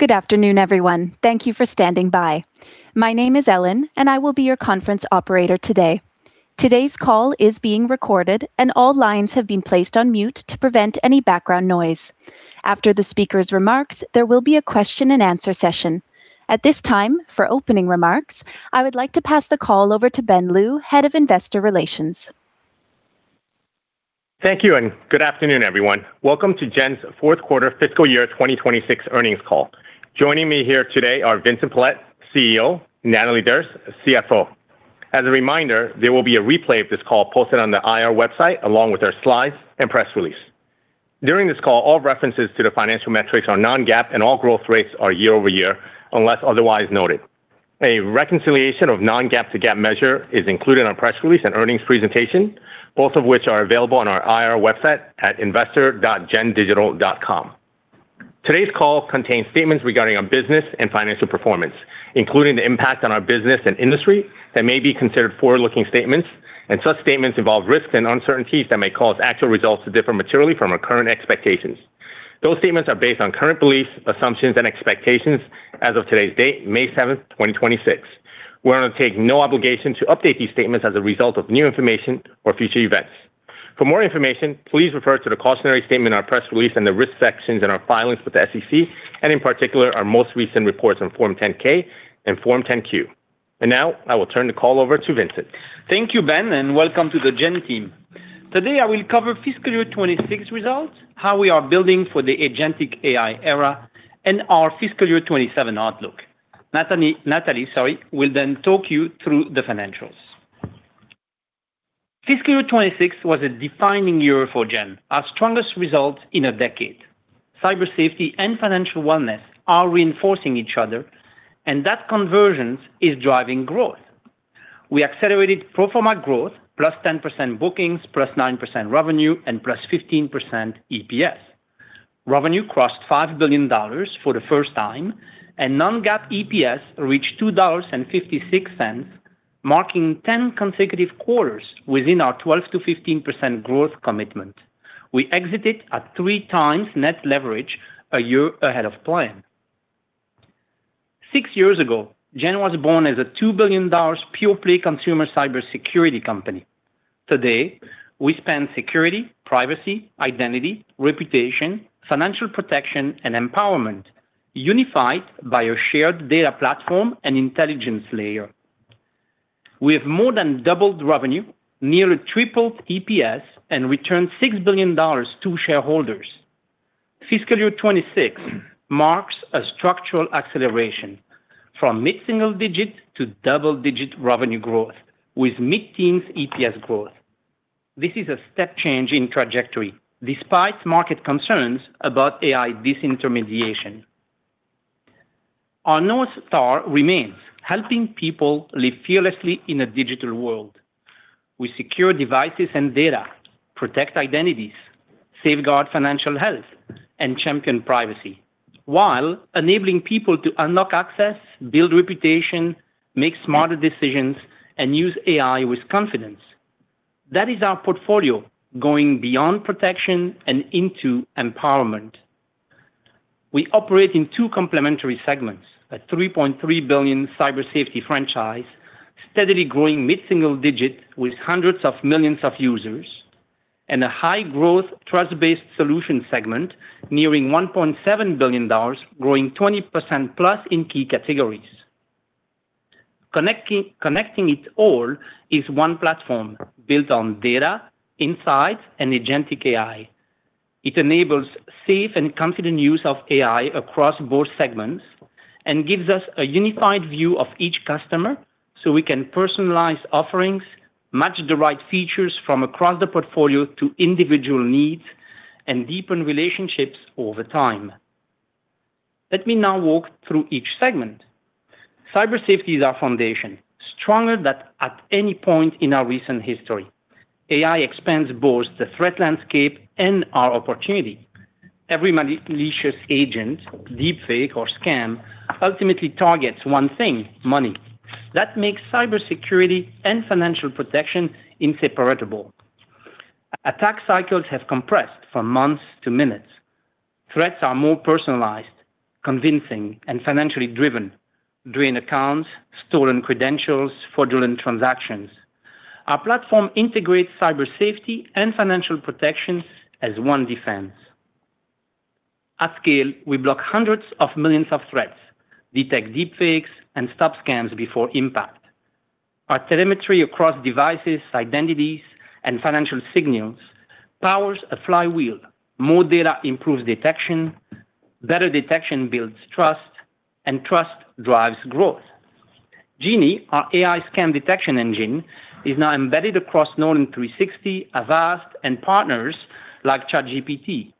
Good afternoon, everyone. Thank you for standing by. My name is Ellen, and I will be your conference operator today. Today's call is being recorded, and all lines have been placed on mute to prevent any background noise. After the speaker's remarks, there will be a question and answer session. At this time, for opening remarks, I would like to pass the call over to Ben Lu, Head of Investor Relations. Thank you, and good afternoon, everyone. Welcome to Gen's Fourth Quarter Fiscal Year 2026 Earnings Call. Joining me here today are Vincent Pilette, CEO, Natalie Derse, CFO. As a reminder, there will be a replay of this call posted on the IR website, along with our slides and press release. During this call, all references to the financial metrics are non-GAAP, and all growth rates are year-over-year, unless otherwise noted. A reconciliation of non-GAAP to GAAP measure is included in our press release and earnings presentation, both of which are available on our IR website at investor.gendigital.com. Today's call contains statements regarding our business and financial performance, including the impact on our business and industry that may be considered forward-looking statements. Such statements involve risks and uncertainties that may cause actual results to differ materially from our current expectations. Those statements are based on current beliefs, assumptions, and expectations as of today's date, May 7, 2026. We undertake no obligation to update these statements as a result of new information or future events. For more information, please refer to the cautionary statement in our press release and the risk sections in our filings with the SEC, and in particular, our most recent reports on Form 10-K and Form 10-Q. Now, I will turn the call over to Vincent. Thank you, Ben, welcome to the Gen team. Today, I will cover fiscal year 2026 results, how we are building for the agentic AI era, our fiscal year 2027 outlook. Natalie will talk you through the financials. Fiscal year 2026 was a defining year for Gen, our strongest result in a decade. Cyber safety and financial wellness are reinforcing each other. That convergence is driving growth. We accelerated pro forma growth, plus 10% bookings, plus 9% revenue, plus 15% EPS. Revenue crossed $5 billion for the first time. Non-GAAP EPS reached $2.56, marking 10 consecutive quarters within our 12%-15% growth commitment. We exited at 3x net leverage a year ahead of plan. Six years ago, Gen was born as a $2 billion pure-play consumer cybersecurity company. Today, we span security, privacy, identity, reputation, financial protection, and empowerment, unified by a shared data platform and intelligence layer. We have more than doubled revenue, nearly tripled EPS, and returned $6 billion to shareholders. Fiscal year 2026 marks a structural acceleration from mid-single-digit to double-digit revenue growth with mid-teens EPS growth. This is a step change in trajectory despite market concerns about AI disintermediation. Our North Star remains helping people live fearlessly in a digital world. We secure devices and data, protect identities, safeguard financial health, and champion privacy while enabling people to unlock access, build reputation, make smarter decisions, and use AI with confidence. That is our portfolio going beyond protection and into empowerment. We operate in two complementary segments, a $3.3 billion Cyber Safety franchise, steadily growing mid-single digit with hundreds of millions of users, and a high-growth trust-based solution segment nearing $1.7 billion, growing 20%+ in key categories. Connecting it all is one platform built on data, insights, and agentic AI. It enables safe and confident use of AI across both segments and gives us a unified view of each customer, so we can personalize offerings, match the right features from across the portfolio to individual needs, and deepen relationships over time. Let me now walk through each segment. Cyber Safety is our foundation, stronger than at any point in our recent history. AI expands both the threat landscape and our opportunity. Every malicious agent, deepfake, or scam ultimately targets one thing: money. That makes cybersecurity and financial protection inseparable. Attack cycles have compressed from months to minutes. Threats are more personalized, convincing, and financially driven. Drain accounts, stolen credentials, fraudulent transactions. Our platform integrates cyber safety and financial protection as one defense. At scale, we block hundreds of millions of threats, detect deepfakes, and stop scams before impact. Our telemetry across devices, identities, and financial signals powers a flywheel. More data improves detection, better detection builds trust, and trust drives growth. Genie, our AI scam detection engine, is now embedded across Norton 360, Avast, and partners like ChatGPT.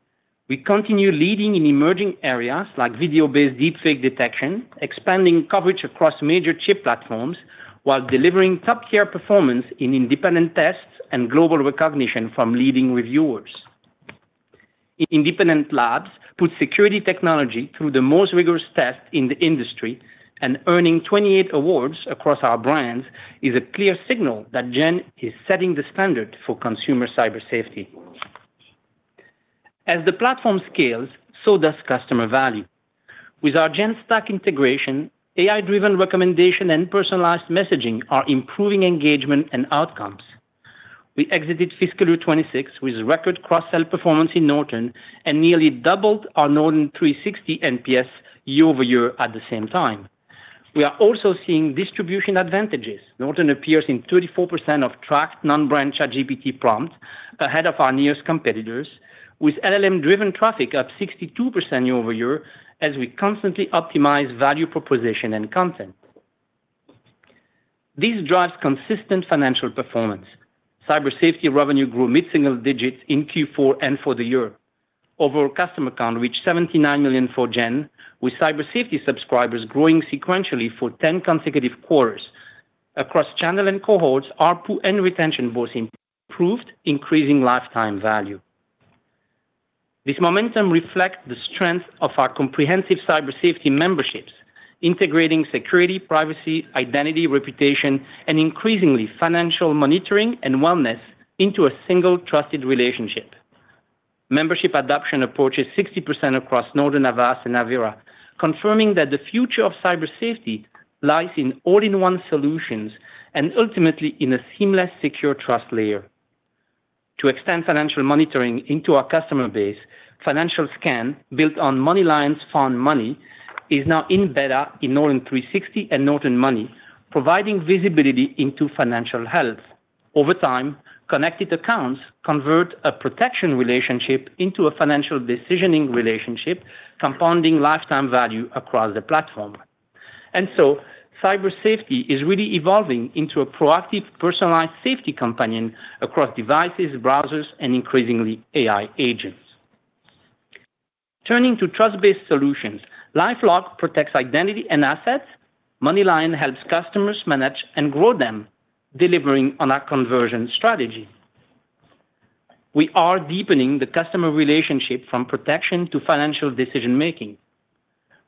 We continue leading in emerging areas like video-based deepfake detection, expanding coverage across major chip platforms, while delivering top-tier performance in independent tests and global recognition from leading reviewers. Independent labs put security technology through the most rigorous test in the industry, and earning 28 awards across our brands is a clear signal that Gen is setting the standard for consumer cyber safety. As the platform scales, so does customer value. With our Gen Stack integration, AI-driven recommendation and personalized messaging are improving engagement and outcomes. We exited fiscal year 2026 with record cross-sell performance in Norton and nearly doubled our Norton 360 NPS year-over-year at the same time. We are also seeing distribution advantages. Norton appears in 34% of tracked non-browser GPT prompts ahead of our nearest competitors, with LLM-driven traffic up 62% year-over-year as we constantly optimize value proposition and content. This drives consistent financial performance. Cyber safety revenue grew mid-single digits in Q4 and for the year. Overall customer count reached 79 million for Gen, with cyber safety subscribers growing sequentially for 10 consecutive quarters. Across channel and cohorts, ARPU and retention both improved, increasing lifetime value. This momentum reflects the strength of our comprehensive cyber safety memberships, integrating security, privacy, identity, reputation, and increasingly financial monitoring and wellness into a single trusted relationship. Membership adoption approaches 60% across Norton, Avast, and Avira, confirming that the future of cyber safety lies in all-in-one solutions and ultimately in a seamless secure trust layer. To extend financial monitoring into our customer base, Financial Scan, built on MoneyLion's found money, is now in beta in Norton 360 and Norton Money, providing visibility into financial health. Over time, connected accounts convert a protection relationship into a financial decisioning relationship, compounding lifetime value across the platform. Cyber safety is really evolving into a proactive personalized safety companion across devices, browsers, and increasingly AI agents. Turning to trust-based solutions, LifeLock protects identity and assets. MoneyLion helps customers manage and grow them, delivering on our conversion strategy. We are deepening the customer relationship from protection to financial decision-making.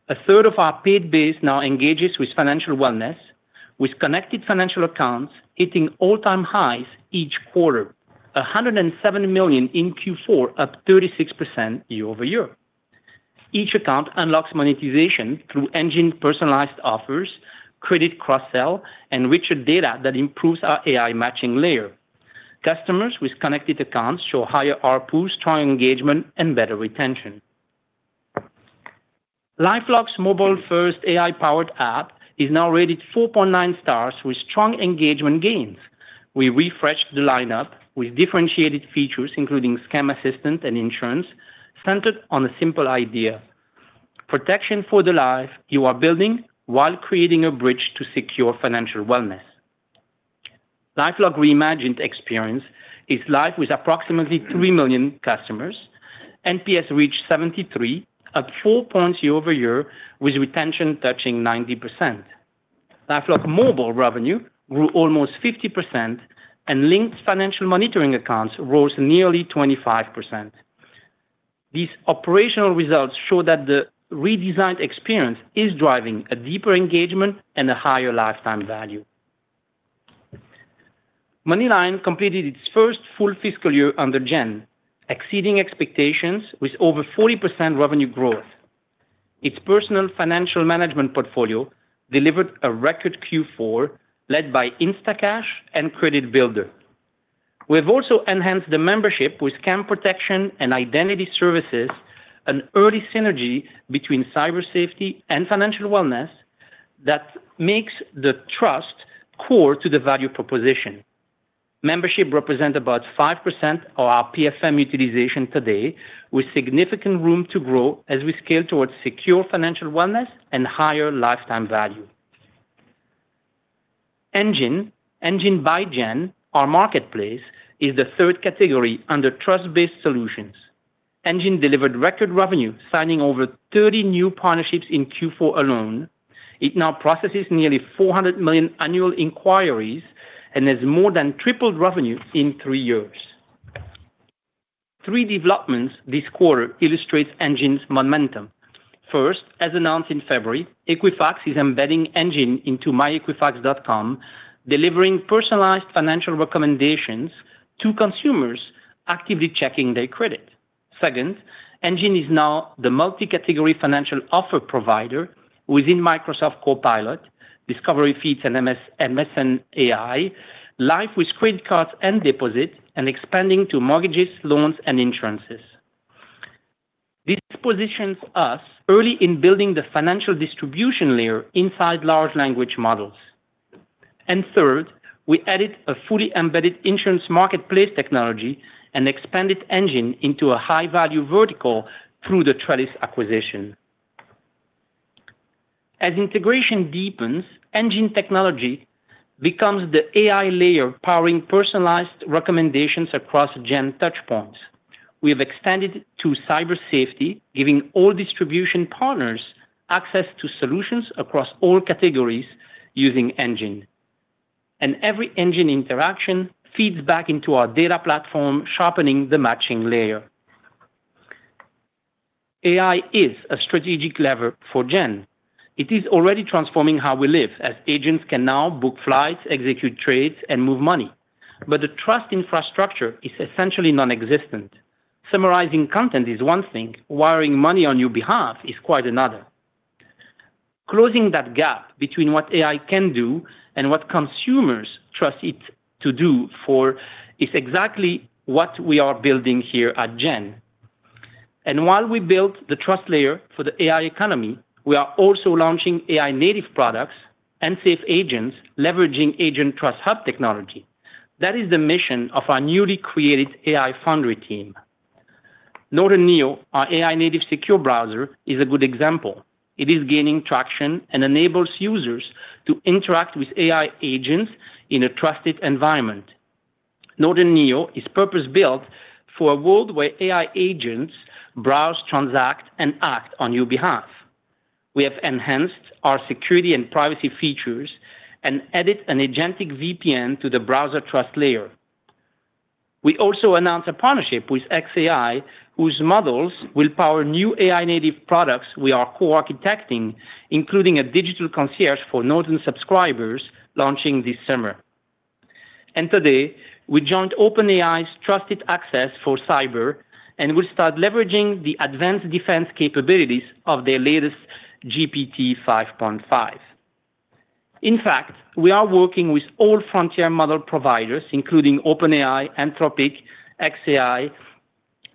A third of our paid base now engages with financial wellness, with connected financial accounts hitting all-time highs each quarter, 107 million in Q4, up 36% year-over-year. Each account unlocks monetization through Engine personalized offers, credit cross-sell, and richer data that improves our AI matching layer. Customers with connected accounts show higher ARPUs, strong engagement, and better retention. LifeLock's mobile-first AI-powered app is now rated 4.9 stars with strong engagement gains. We refreshed the lineup with differentiated features, including scam assistance and insurance, centered on a simple idea: protection for the life you are building while creating a bridge to secure financial wellness. LifeLock reimagined experience is live with approximately 3 million customers. NPS reached 73, up four points year-over-year, with retention touching 90%. LifeLock mobile revenue grew almost 50%, and linked financial monitoring accounts rose nearly 25%. These operational results show that the redesigned experience is driving a deeper engagement and a higher lifetime value. MoneyLion completed its first full fiscal year under Gen, exceeding expectations with over 40% revenue growth. Its personal financial management portfolio delivered a record Q4 led by Instacash and Credit Builder. We have also enhanced the membership with scam protection and identity services, an early synergy between cyber safety and financial wellness that makes the trust core to the value proposition. Membership represent about 5% of our PFM utilization today, with significant room to grow as we scale towards secure financial wellness and higher lifetime value. Engine by Gen, our marketplace, is the third category under trust-based solutions. Engine delivered record revenue, signing over 30 new partnerships in Q4 alone. It now processes nearly 400 million annual inquiries and has more than tripled revenue in three years. Three developments this quarter illustrates Engine's momentum. First, as announced in February, Equifax is embedding Engine into myequifax.com, delivering personalized financial recommendations to consumers actively checking their credit. Engine is now the multi-category financial offer provider within Microsoft Copilot, Discovery Feeds and MSN AI, live with credit cards and deposits, expanding to mortgages, loans, and insurances. This positions us early in building the financial distribution layer inside large language models. Third, we added a fully embedded insurance marketplace technology and expanded Engine into a high-value vertical through the Trellis acquisition. As integration deepens, Engine technology becomes the AI layer powering personalized recommendations across Gen touchpoints. We have extended to cyber safety, giving all distribution partners access to solutions across all categories using Engine. Every Engine interaction feeds back into our data platform, sharpening the matching layer. AI is a strategic lever for Gen. It is already transforming how we live as agents can now book flights, execute trades, and move money. The trust infrastructure is essentially non-existent. Summarizing content is one thing, wiring money on your behalf is quite another. Closing that gap between what AI can do and what consumers trust it to do for is exactly what we are building here at Gen. While we build the trust layer for the AI economy, we are also launching AI native products and safe agents leveraging Agent Trust Hub technology. That is the mission of our newly created AI foundry team. Norton Neo, our AI native secure browser, is a good example. It is gaining traction and enables users to interact with AI agents in a trusted environment. Norton Neo is purpose-built for a world where AI agents browse, transact, and act on your behalf. We have enhanced our security and privacy features and added an agentic VPN to the browser trust layer. We also announced a partnership with xAI, whose models will power new AI native products we are co-architecting, including a digital concierge for Norton subscribers launching this summer. Today, we joined OpenAI's trusted access for cyber, and we'll start leveraging the advanced defense capabilities of their latest GPT-5.5. In fact, we are working with all frontier model providers, including OpenAI, Anthropic, xAI,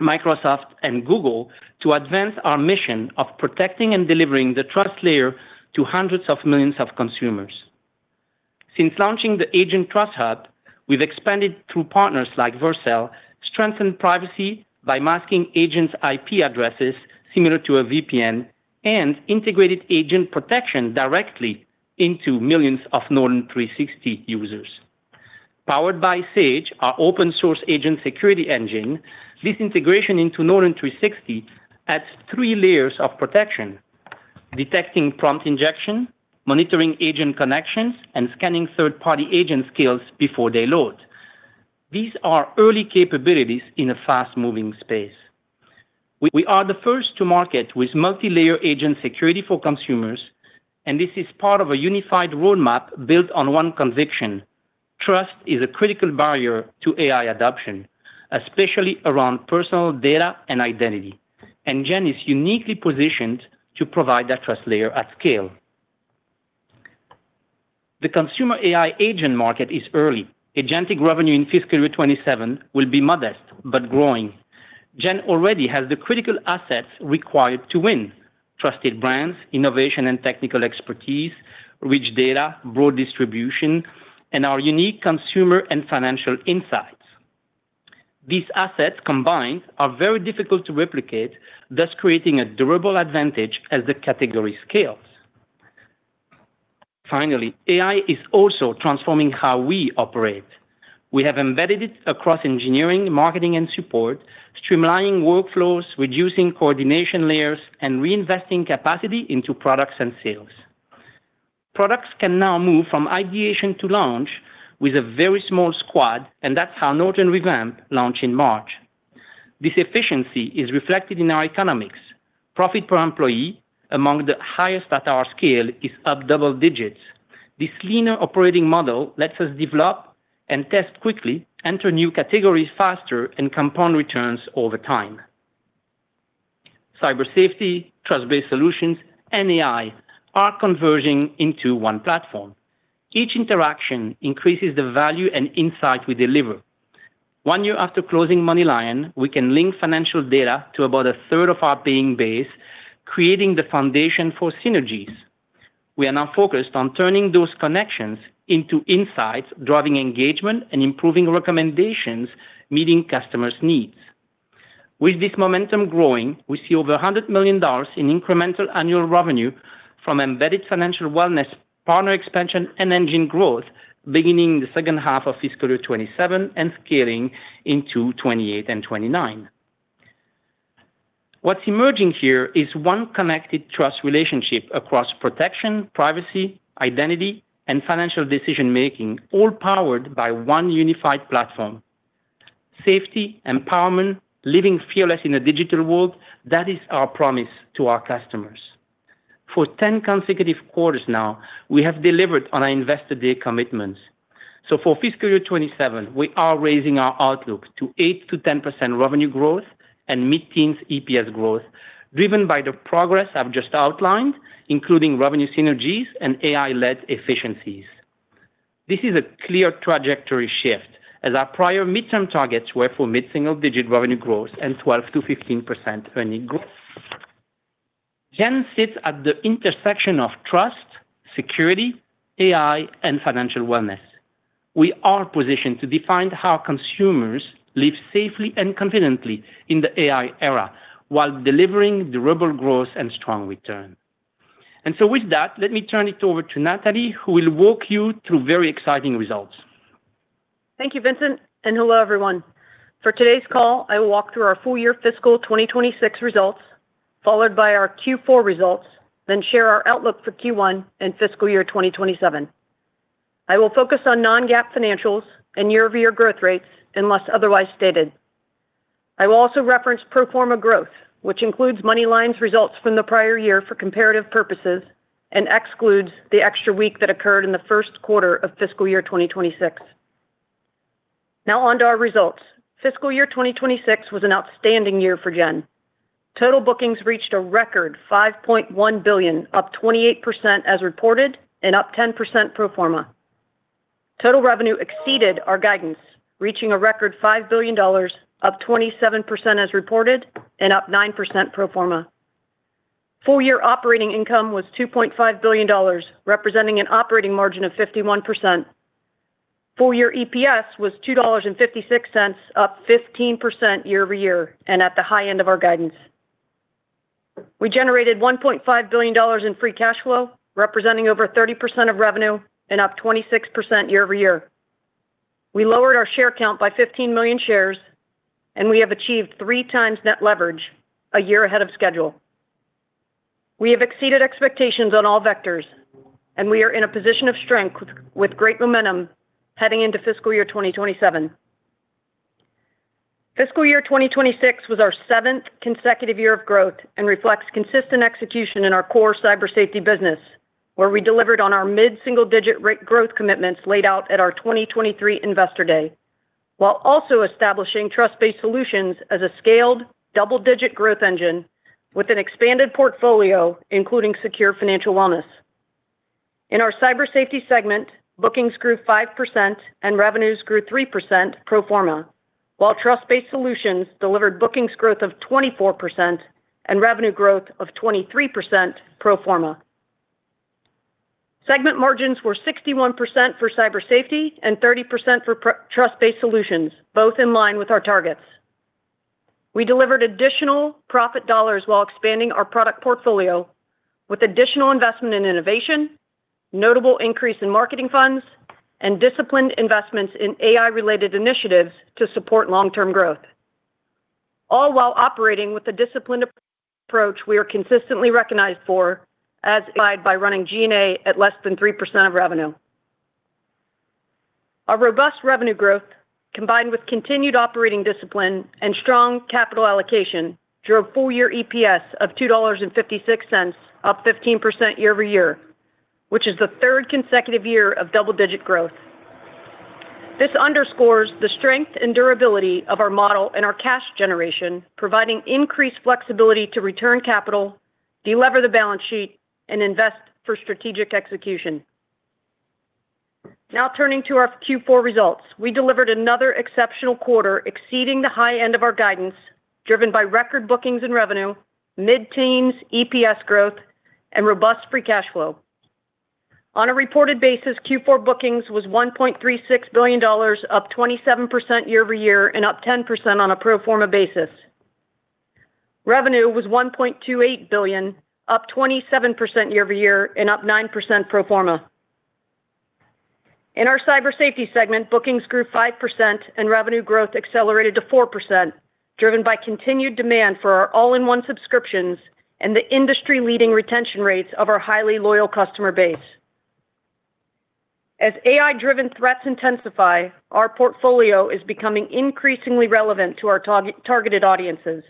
Microsoft, and Google to advance our mission of protecting and delivering the trust layer to hundreds of millions of consumers. Since launching the Agent Trust Hub, we've expanded through partners like Vercel, strengthened privacy by masking agents' IP addresses similar to a VPN, and integrated agent protection directly into millions of Norton 360 users. Powered by Sage, our open source agent security engine, this integration into Norton 360 adds three layers of protection, detecting prompt injection, monitoring agent connections, and scanning third-party agent skills before they load. These are early capabilities in a fast-moving space. We are the first to market with multi-layer agent security for consumers. This is part of a unified roadmap built on one conviction. Trust is a critical barrier to AI adoption, especially around personal data and identity. Gen is uniquely positioned to provide that trust layer at scale. The consumer AI agent market is early. Agentic revenue in fiscal year 2027 will be modest but growing. Gen already has the critical assets required to win. Trusted brands, innovation and technical expertise, rich data, broad distribution, and our unique consumer and financial insights. These assets combined are very difficult to replicate, thus creating a durable advantage as the category scales. Finally, AI is also transforming how we operate. We have embedded it across engineering, marketing, and support, streamlining workflows, reducing coordination layers, and reinvesting capacity into products and sales. Products can now move from ideation to launch with a very small squad, and that's how Norton Revamp launched in March. This efficiency is reflected in our economics. Profit per employee, among the highest at our scale, is up double digits. This leaner operating model lets us develop and test quickly, enter new categories faster, and compound returns over time. Cyber safety, trust-based solutions, and AI are converging into one platform. Each interaction increases the value and insight we deliver. One year after closing MoneyLion, we can link financial data to about a third of our paying base, creating the foundation for synergies. We are now focused on turning those connections into insights, driving engagement, and improving recommendations, meeting customers' needs. With this momentum growing, we see over $100 million in incremental annual revenue from embedded financial wellness, partner expansion, and Engine growth beginning the second half of fiscal year 2027 and scaling into 2028 and 2029. What's emerging here is one connected trust relationship across protection, privacy and identity, and financial decision-making, all powered by one unified platform. Safety, empowerment, living fearless in a digital world, that is our promise to our customers. For 10 consecutive quarters now, we have delivered on our Investor Day commitments. For fiscal year 2027, we are raising our outlook to 8%-10% revenue growth and mid-teens EPS growth, driven by the progress I've just outlined, including revenue synergies and AI-led efficiencies. This is a clear trajectory shift, as our prior midterm targets were for mid-single-digit revenue growth and 12%-15% earnings growth. Gen sits at the intersection of trust, security, AI, and financial wellness. We are positioned to define how consumers live safely and confidently in the AI era while delivering durable growth and strong return. With that, let me turn it over to Natalie, who will walk you through very exciting results. Thank you, Vincent, and hello, everyone. For today's call, I will walk through our full year fiscal 2026 results, followed by our Q4 results, then share our outlook for Q1 and fiscal year 2027. I will focus on non-GAAP financials and year-over-year growth rates unless otherwise stated. I will also reference pro forma growth, which includes MoneyLion's results from the prior year for comparative purposes and excludes the extra week that occurred in the first quarter of fiscal year 2026. On to our results. Fiscal year 2026 was an outstanding year for Gen. Total bookings reached a record $5.1 billion, up 28% as reported and up 10% pro forma. Total revenue exceeded our guidance, reaching a record $5 billion, up 27% as reported and up 9% pro forma. Full-year operating income was $2.5 billion, representing an operating margin of 51%. Full-year EPS was $2.56, up 15% year-over-year and at the high end of our guidance. We generated $1.5 billion in free cash flow, representing over 30% of revenue and up 26% year-over-year. We lowered our share count by 15 million shares, and we have achieved 3x net leverage a year ahead of schedule. We have exceeded expectations on all vectors, and we are in a position of strength with great momentum heading into fiscal year 2027. Fiscal year 2026 was our seventh consecutive year of growth and reflects consistent execution in our core Cyber Safety business, where we delivered on our mid-single-digit rate growth commitments laid out at our 2023 Investor Day, while also establishing Trust-Based Solutions as a scaled double-digit growth engine with an expanded portfolio, including secure financial wellness. In our Cyber Safety segment, bookings grew 5% and revenues grew 3% pro forma, while Trust-Based Solutions delivered bookings growth of 24% and revenue growth of 23% pro forma. Segment margins were 61% for Cyber Safety and 30% for Trust-Based Solutions, both in line with our targets. We delivered additional profit dollars while expanding our product portfolio with additional investment in innovation, notable increase in marketing funds, and disciplined investments in AI-related initiatives to support long-term growth, all while operating with the disciplined approach we are consistently recognized for as applied by running G&A at less than 3% of revenue. Our robust revenue growth, combined with continued operating discipline and strong capital allocation, drove full-year EPS of $2.56, up 15% year-over-year, which is the third consecutive year of double-digit growth. This underscores the strength and durability of our model and our cash generation, providing increased flexibility to return capital, delever the balance sheet, and invest for strategic execution. Turning to our Q4 results. We delivered another exceptional quarter exceeding the high end of our guidance, driven by record bookings and revenue, mid-teens EPS growth, and robust free cash flow. On a reported basis, Q4 bookings was $1.36 billion, up 27% year-over-year and up 10% on a pro forma basis. Revenue was $1.28 billion, up 27% year-over-year and up 9% pro forma. In our cyber safety segment, bookings grew 5% and revenue growth accelerated to 4%, driven by continued demand for our all-in-one subscriptions and the industry-leading retention rates of our highly loyal customer base. As AI-driven threats intensify, our portfolio is becoming increasingly relevant to our targeted audiences.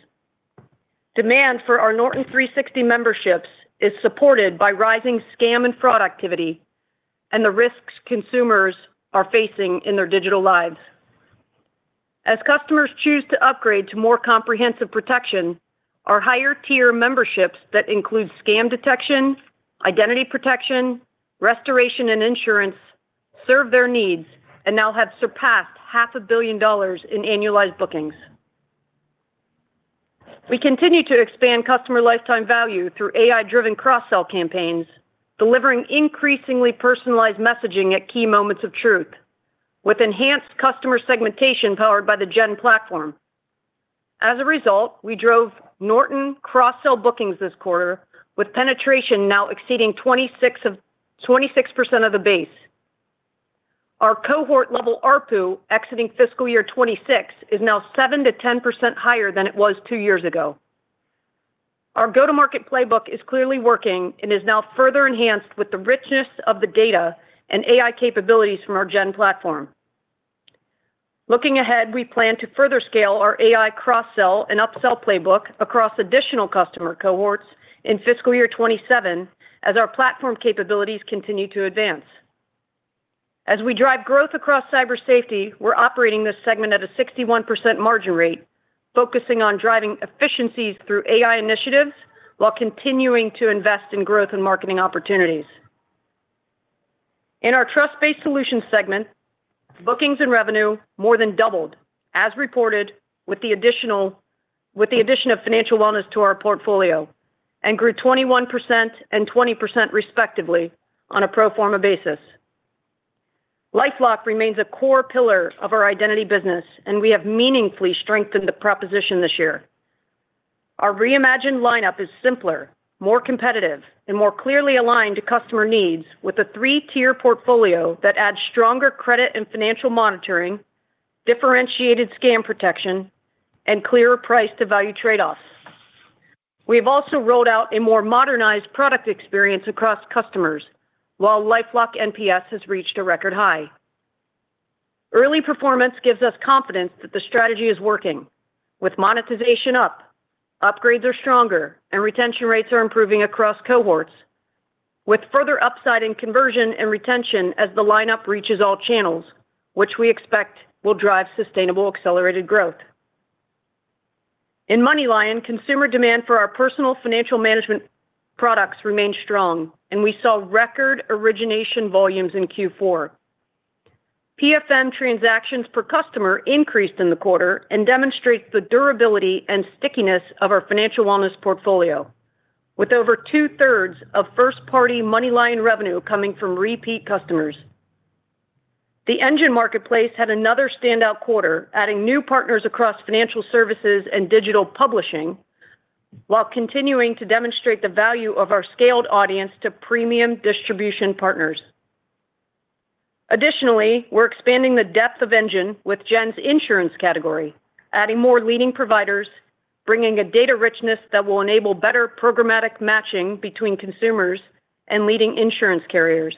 Demand for our Norton 360 memberships is supported by rising scam and fraud activity and the risks consumers are facing in their digital lives. As customers choose to upgrade to more comprehensive protection, our higher-tier memberships that include scam detection, identity protection, restoration and insurance serve their needs and now have surpassed half a billion dollars in annualized bookings. We continue to expand customer lifetime value through AI-driven cross-sell campaigns, delivering increasingly personalized messaging at key moments of truth with enhanced customer segmentation powered by the Gen platform. As a result, we drove Norton cross-sell bookings this quarter with penetration now exceeding 26% of the base. Our cohort-level ARPU exiting fiscal year 2026 is now 7%-10% higher than it was two years ago. Our go-to-market playbook is clearly working and is now further enhanced with the richness of the data and AI capabilities from our Gen platform. Looking ahead, we plan to further scale our AI cross-sell and upsell playbook across additional customer cohorts in fiscal year 2027 as our platform capabilities continue to advance. As we drive growth across Cyber Safety, we're operating this segment at a 61% margin rate, focusing on driving efficiencies through AI initiatives while continuing to invest in growth and marketing opportunities. In our Trust-based Solutions segment, bookings and revenue more than doubled as reported with the addition of financial wellness to our portfolio and grew 21% and 20% respectively on a pro forma basis. LifeLock remains a core pillar of our identity business, and we have meaningfully strengthened the proposition this year. Our reimagined lineup is simpler, more competitive, and more clearly aligned to customer needs with a three-tier portfolio that adds stronger credit and financial monitoring, differentiated scam protection, and clearer price to value trade-offs. We've also rolled out a more modernized product experience across customers, while LifeLock NPS has reached a record high. Early performance gives us confidence that the strategy is working with monetization up, upgrades are stronger, and retention rates are improving across cohorts, with further upside in conversion and retention as the lineup reaches all channels, which we expect will drive sustainable accelerated growth. In MoneyLion, consumer demand for our personal financial management products remained strong, and we saw record origination volumes in Q4. PFM transactions per customer increased in the quarter and demonstrates the durability and stickiness of our financial wellness portfolio. With over two-thirds of first-party MoneyLion revenue coming from repeat customers. The Engine Marketplace had another standout quarter, adding new partners across financial services and digital publishing, while continuing to demonstrate the value of our scaled audience to premium distribution partners. Additionally, we're expanding the depth of Engine with Gen's insurance category, adding more leading providers, bringing a data richness that will enable better programmatic matching between consumers and leading insurance carriers.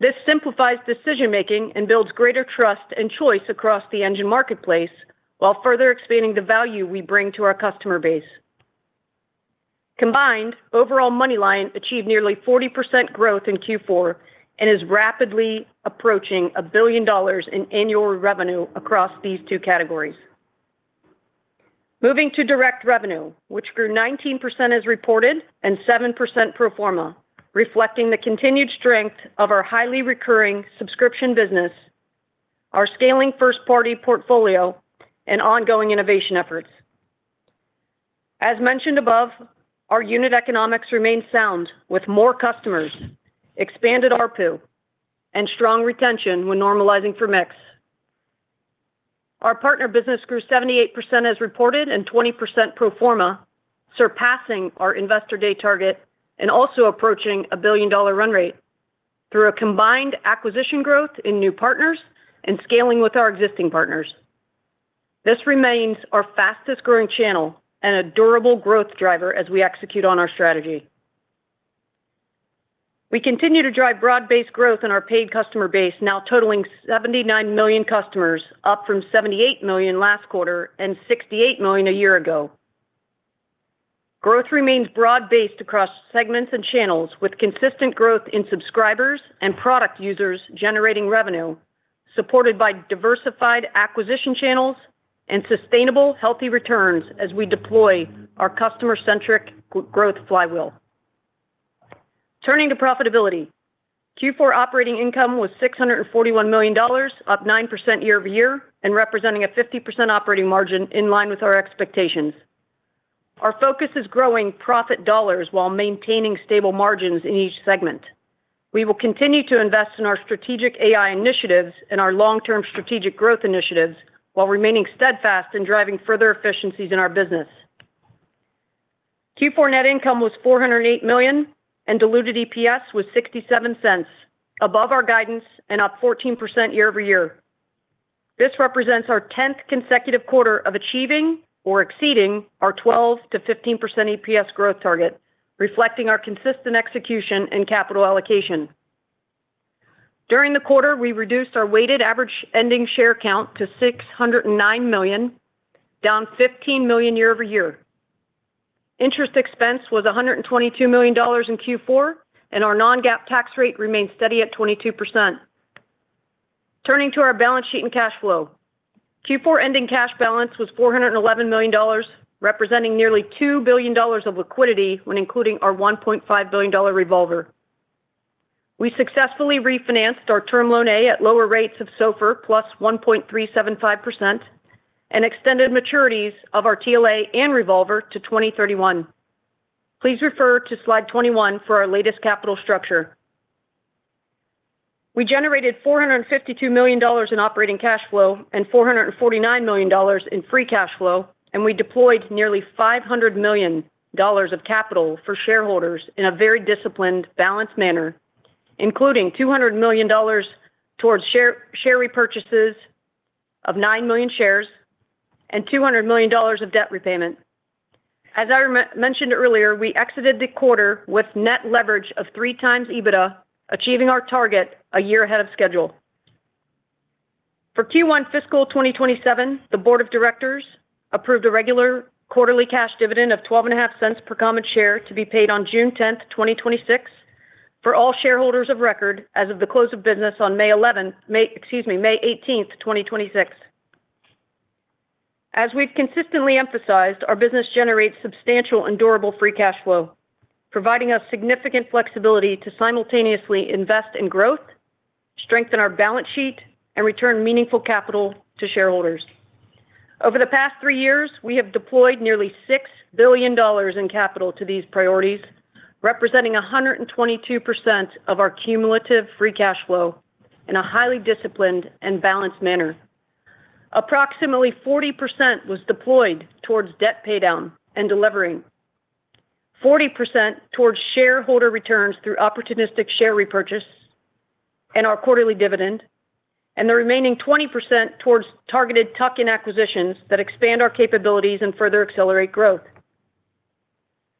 This simplifies decision-making and builds greater trust and choice across the Engine marketplace while further expanding the value we bring to our customer base. Combined, overall MoneyLion achieved nearly 40% growth in Q4 and is rapidly approaching $1 billion in annual revenue across these two categories. Moving to direct revenue, which grew 19% as reported and 7% pro forma, reflecting the continued strength of our highly recurring subscription business, our scaling first-party portfolio, and ongoing innovation efforts. As mentioned above, our unit economics remain sound with more customers, expanded ARPU, and strong retention when normalizing for mix. Our partner business grew 78% as reported and 20% pro forma, surpassing our Investor Day target and also approaching a billion-dollar run rate through a combined acquisition growth in new partners and scaling with our existing partners. This remains our fastest-growing channel and a durable growth driver as we execute on our strategy. We continue to drive broad-based growth in our paid customer base, now totaling 79 million customers, up from 78 million last quarter and 68 million a year ago. Growth remains broad-based across segments and channels with consistent growth in subscribers and product users generating revenue, supported by diversified acquisition channels and sustainable healthy returns as we deploy our customer-centric growth flywheel. Turning to profitability. Q4 operating income was $641 million, up 9% year-over-year and representing a 50% operating margin in line with our expectations. Our focus is growing profit dollars while maintaining stable margins in each segment. We will continue to invest in our strategic AI initiatives and our long-term strategic growth initiatives while remaining steadfast in driving further efficiencies in our business. Q4 net income was $408 million, and diluted EPS was $0.67, above our guidance and up 14% year-over-year. This represents our 10th consecutive quarter of achieving or exceeding our 12%-15% EPS growth target, reflecting our consistent execution and capital allocation. During the quarter, we reduced our weighted average ending share count to 609 million, down 15 million year-over-year. Interest expense was $122 million in Q4, and our non-GAAP tax rate remains steady at 22%. Turning to our balance sheet and cash flow. Q4 ending cash balance was $411 million, representing nearly $2 billion of liquidity when including our $1.5 billion revolver. We successfully refinanced our Term Loan A at lower rates of SOFR plus 1.375% and extended maturities of our TLA and revolver to 2031. Please refer to slide 21 for our latest capital structure. We generated $452 million in operating cash flow and $449 million in free cash flow, and we deployed nearly $500 million of capital for shareholders in a very disciplined, balanced manner, including $200 million towards share repurchases of 9 million shares and $200 million of debt repayment. As I mentioned earlier, we exited the quarter with net leverage of 3x EBITDA, achieving our target a year ahead of schedule. For Q1 fiscal 2027, the board of directors approved a regular quarterly cash dividend of $0.125 per common share to be paid on June 10, 2026, for all shareholders of record as of the close of business on May 18, 2026. As we've consistently emphasized, our business generates substantial and durable free cash flow, providing us significant flexibility to simultaneously invest in growth, strengthen our balance sheet, and return meaningful capital to shareholders. Over the past three years, we have deployed nearly $6 billion in capital to these priorities, representing 122% of our cumulative free cash flow in a highly disciplined and balanced manner. Approximately 40% was deployed towards debt paydown and delevering, 40% towards shareholder returns through opportunistic share repurchase and our quarterly dividend, and the remaining 20% towards targeted tuck-in acquisitions that expand our capabilities and further accelerate growth.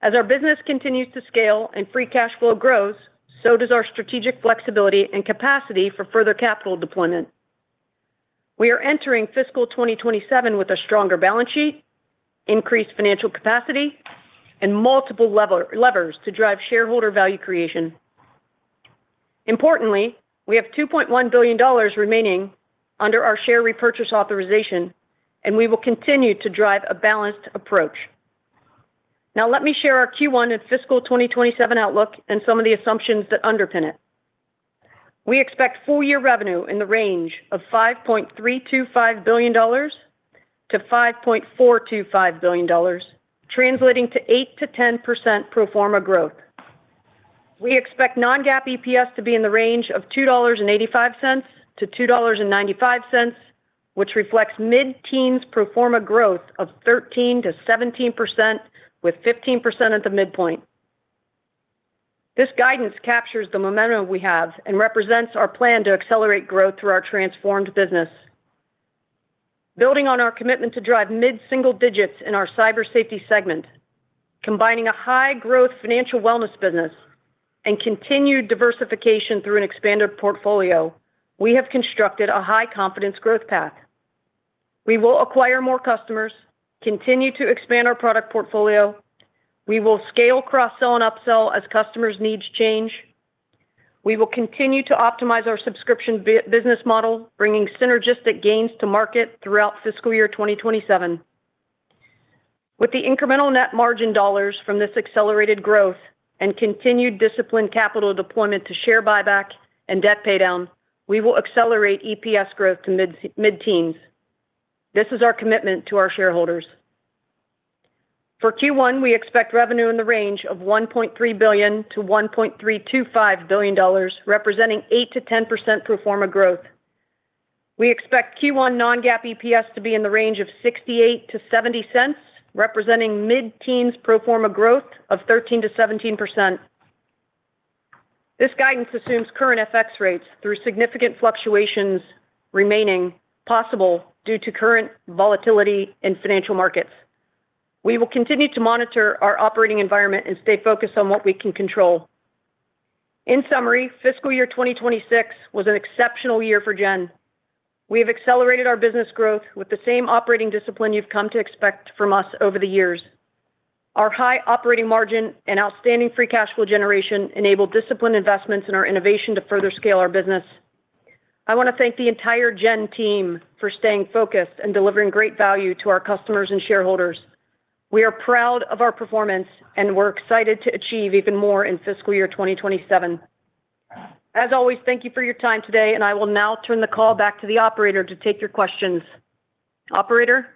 As our business continues to scale and free cash flow grows, so does our strategic flexibility and capacity for further capital deployment. We are entering fiscal 2027 with a stronger balance sheet, increased financial capacity, and multiple levels to drive shareholder value creation. Importantly, we have $2.1 billion remaining under our share repurchase authorization, we will continue to drive a balanced approach. Let me share our Q1 and fiscal 2027 outlook and some of the assumptions that underpin it. We expect full year revenue in the range of $5.325 billion-$5.425 billion, translating to 8%-10% pro forma growth. We expect non-GAAP EPS to be in the range of $2.85-$2.95, which reflects mid-teens pro forma growth of 13%-17%, with 15% at the midpoint. This guidance captures the momentum we have and represents our plan to accelerate growth through our transformed business. Building on our commitment to drive mid-single digits in our cyber safety segment, combining a high-growth financial wellness business and continued diversification through an expanded portfolio, we have constructed a high-confidence growth path. We will acquire more customers, continue to expand our product portfolio. We will scale cross-sell and up-sell as customers' needs change. We will continue to optimize our subscription business model, bringing synergistic gains to market throughout fiscal year 2027. With the incremental net margin dollars from this accelerated growth and continued disciplined capital deployment to share buyback and debt paydown, we will accelerate EPS growth to mid-teens. This is our commitment to our shareholders. For Q1, we expect revenue in the range of $1.3 billion-$1.325 billion, representing 8%-10% pro forma growth. We expect Q1 non-GAAP EPS to be in the range of $0.68-$0.70, representing mid-teens pro forma growth of 13%-17%. This guidance assumes current FX rates through significant fluctuations remaining possible due to current volatility in financial markets. We will continue to monitor our operating environment and stay focused on what we can control. In summary, fiscal year 2026 was an exceptional year for Gen. We have accelerated our business growth with the same operating discipline you've come to expect from us over the years. Our high operating margin and outstanding free cash flow generation enable disciplined investments in our innovation to further scale our business. I wanna thank the entire Gen team for staying focused and delivering great value to our customers and shareholders. We are proud of our performance, and we're excited to achieve even more in fiscal year 2027. As always, thank you for your time today, and I will now turn the call back to the operator to take your questions. Operator?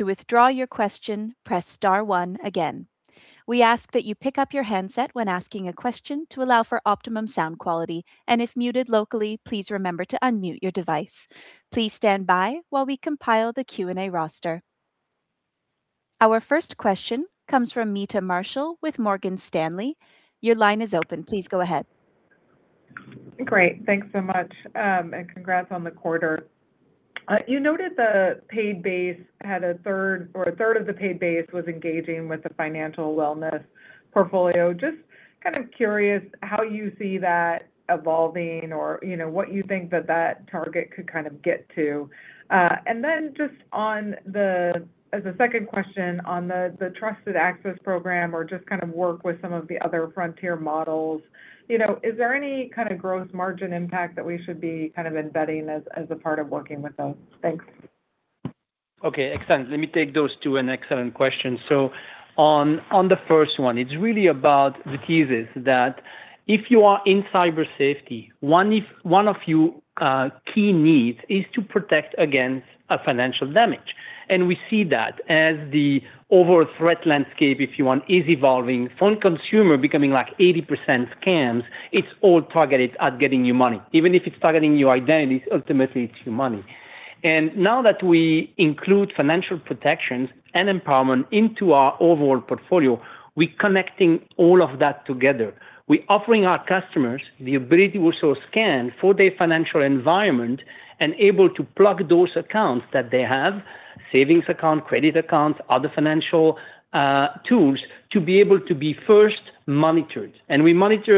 Our first question comes from Meta Marshall with Morgan Stanley. Your line is open. Please go ahead. Great. Thanks so much, congrats on the quarter. You noted a third of the paid base was engaging with the financial wellness portfolio. Just kind of curious how you see that evolving or, you know, what you think that target could kind of get to. Then just as a second question on the trusted access program or just kind of work with some of the other frontier models, you know, is there any kind of gross margin impact that we should be kind of embedding as a part of working with them? Thanks. Okay, excellent. Let me take those two. An excellent question. On the first one, it's really about the thesis that if you are in cyber safety, one of your key needs is to protect against a financial damage. We see that as the overall threat landscape, if you want, is evolving. Phone consumer becoming like 80% scams, it's all targeted at getting you money. Even if it's targeting your identity, ultimately it's your money. Now that we include financial protections and empowerment into our overall portfolio, we connecting all of that together. We offering our customers the ability to also scan for their financial environment and able to plug those accounts that they have, savings account, credit accounts, other financial tools, to be able to be first monitored. We monitor,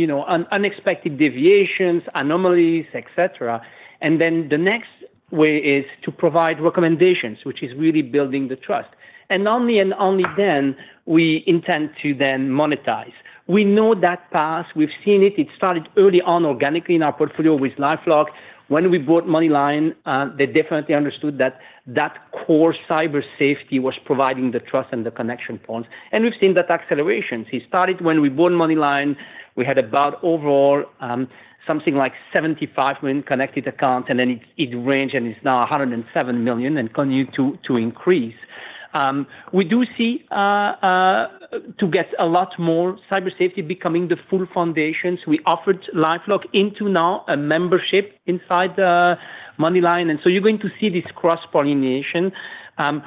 you know, unexpected deviations, anomalies, etc. The next way is to provide recommendations, which is really building the trust. Only then we intend to then monetize. We know that path. We've seen it. It started early on organically in our portfolio with LifeLock. When we bought MoneyLion, they definitely understood that core cyber safety was providing the trust and the connection points. We've seen that acceleration. It started when we bought MoneyLion. We had about overall, something like 75 million connected accounts, then it range and it's now 107 million and continue to increase. We do see to get a lot more cyber safety becoming the full foundations. We offered LifeLock into now a membership inside the MoneyLion. You're going to see this cross-pollination.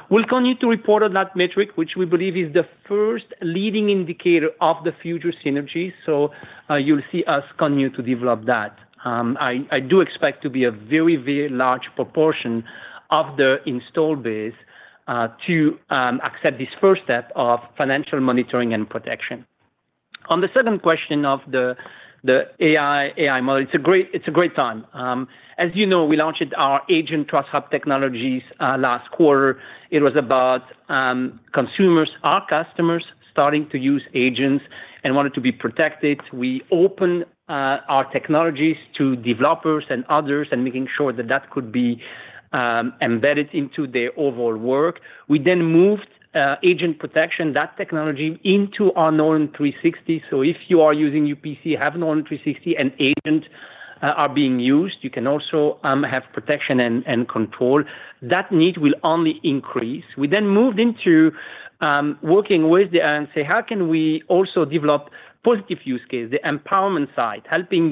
We'll continue to report on that metric, which we believe is the first leading indicator of the future synergies. You'll see us continue to develop that. I do expect to be a very, very large proportion of the install base to accept this first step of financial monitoring and protection. On the second question of the AI model, it's a great time. As you know, we launched our Agent Trust Hub technologies last quarter. It was about consumers, our customers, starting to use agents and wanted to be protected. We opened our technologies to developers and others and making sure that that could be embedded into their overall work. We then moved agent protection, that technology, into our Norton 360. If you are using UPC, have Norton 360, and agent are being used, you can also have protection and control. That need will only increase. We moved into working with the and say, "How can we also develop positive use case?" The empowerment side, helping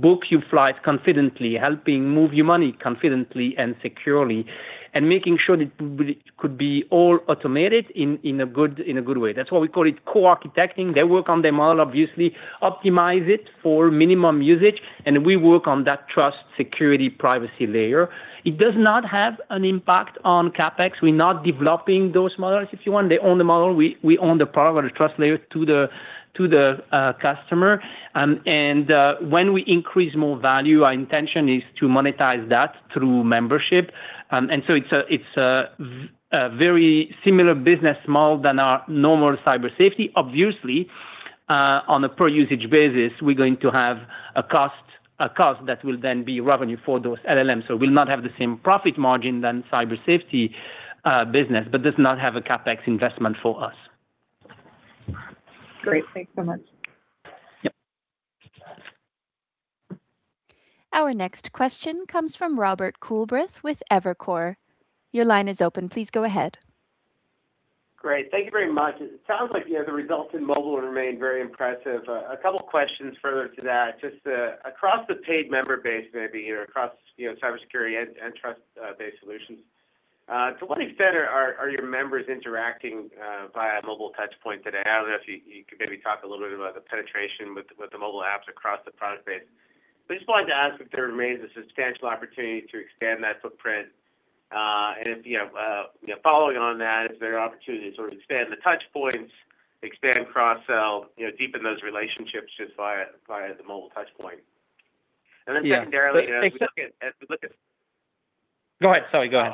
book you flights confidently, helping move your money confidently and securely, and making sure that it could be all automated in a good, in a good way. That is why we call it co-architecting. They work on the model, obviously, optimize it for minimum usage, and we work on that trust, security, privacy layer. It does not have an impact on CapEx. We are not developing those models, if you want. They own the model. We own the product, the trust layer to the, to the customer. When we increase more value, our intention is to monetize that through membership. It's a very similar business model than our normal cyber safety. Obviously, on a per usage basis, we're going to have a cost that will then be revenue for those LLMs. We'll not have the same profit margin than cyber safety business, but does not have a CapEx investment for us. Great. Thanks so much. Yep. Our next question comes from Robert Coolbrith with Evercore. Your line is open. Please go ahead. Great. Thank you very much. It sounds like, you know, the results in mobile have remained very impressive. A couple questions further to that. Just, across the paid member base, maybe, you know, across, you know, cybersecurity and trust, based solutions, to what extent are your members interacting, via mobile touchpoint today? I don't know if you could maybe talk a little bit about the penetration with the mobile apps across the product base. I just wanted to ask if there remains a substantial opportunity to expand that footprint. If you have, you know, following on that, is there opportunity to sort of expand the touchpoints, expand cross-sell, you know, deepen those relationships just via the mobile touchpoint? Yeah. Secondarily, you know, as we look at. Go ahead. Sorry, go ahead.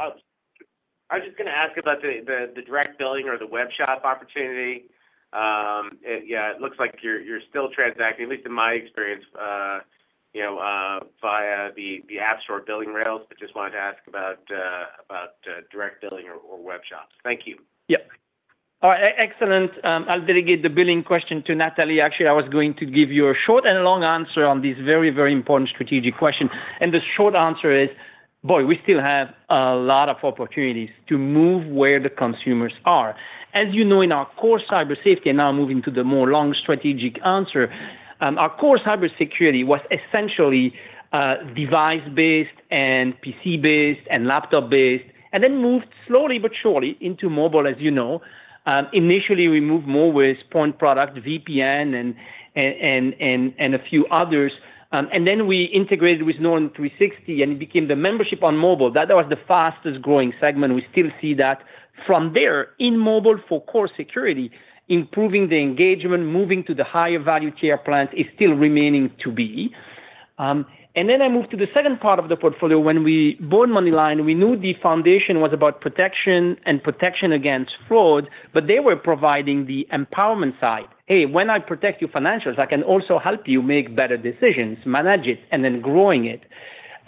I was just gonna ask about the direct billing or the web shop opportunity. It looks like you're still transacting, at least in my experience, you know, via the app store billing rails. Just wanted to ask about direct billing or web shops. Thank you. Yeah. All right. Excellent. I'll delegate the billing question to Natalie. Actually, I was going to give you a short and long answer on this very, very important strategic question. The short answer is, boy, we still have a lot of opportunities to move where the consumers are. As you know, in our core cyber safety, and now moving to the more long strategic answer, our core cybersecurity was essentially device-based and PC-based and laptop-based, and then moved slowly but surely into mobile, as you know. Initially, we moved more with point product VPN and a few others. Then we integrated with Norton 360, and it became the membership on mobile. That was the fastest-growing segment. We still see that from there in mobile for core security, improving the engagement, moving to the higher value tier plans is still remaining to be. Then I move to the second part of the portfolio. When we bought MoneyLion, we knew the foundation was about protection and protection against fraud, but they were providing the empowerment side. Hey, when I protect your financials, I can also help you make better decisions, manage it, and then growing it.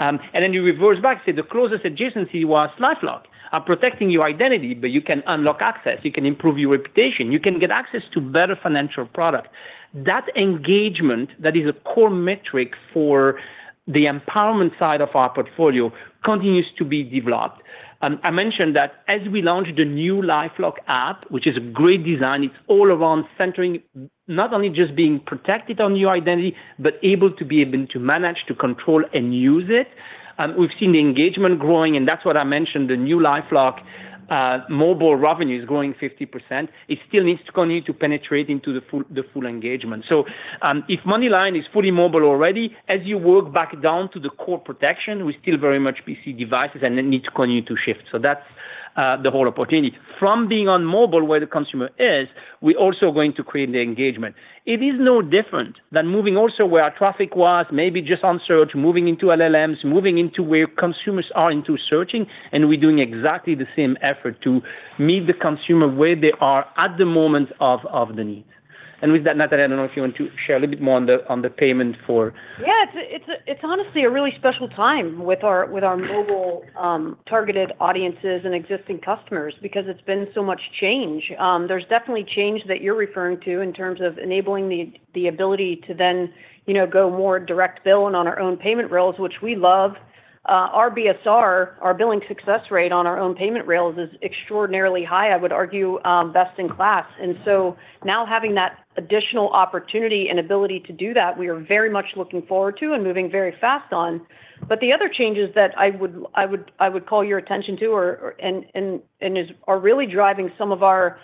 Then you reverse back. See, the closest adjacency was LifeLock. I'm protecting your identity, but you can unlock access. You can improve your reputation. You can get access to better financial product. That engagement, that is a core metric for the empowerment side of our portfolio, continues to be developed. I mentioned that as we launched the new LifeLock app, which is a great design, it's all around centering not only just being protected on your identity, but able to manage, to control, and use it. We've seen the engagement growing, and that's what I mentioned, the new LifeLock mobile revenue is growing 50%. It still needs to continue to penetrate into the full engagement. If MoneyLion is fully mobile already, as you work back down to the core protection, we still very much PC devices and they need to continue to shift. That's the whole opportunity. From being on mobile where the consumer is, we're also going to create the engagement. It is no different than moving also where our traffic was, maybe just on search, moving into LLMs, moving into where consumers are into searching. We're doing exactly the same effort to meet the consumer where they are at the moment of the need. With that, Natalie, I don't know if you want to share a little bit more on the payment for- Yeah. It's honestly a really special time with our, with our mobile, targeted audiences and existing customers because it's been so much change. There's definitely change that you're referring to in terms of enabling the ability to then, you know, go more direct bill and on our own payment rails, which we love. Our BSR, our billing success rate on our own payment rails is extraordinarily high. I would argue, best in class. Now having that additional opportunity and ability to do that, we are very much looking forward to and moving very fast on. The other changes that I would call your attention to are really driving some of our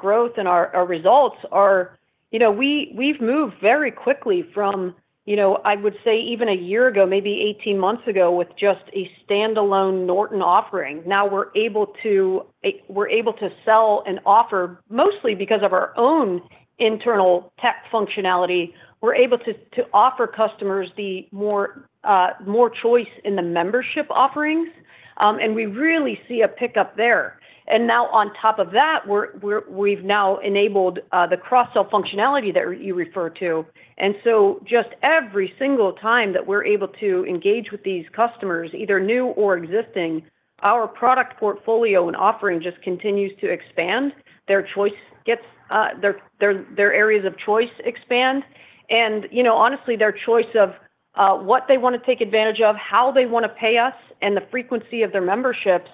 growth and our results are, you know, we've moved very quickly from, you know, I would say even a year ago, maybe 18 months ago, with just a standalone Norton offering. Now we're able to sell and offer, mostly because of our own internal tech functionality, we're able to offer customers the more choice in the membership offerings. We really see a pickup there. Now on top of that, we've now enabled the cross-sell functionality that you refer to. Just every single time that we're able to engage with these customers, either new or existing, our product portfolio and offering just continues to expand. Their choice gets, their areas of choice expand. You know, honestly, their choice of what they wanna take advantage of, how they wanna pay us, and the frequency of their memberships